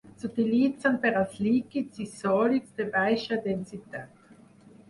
S'utilitzen per als líquids i sòlids de baixa densitat.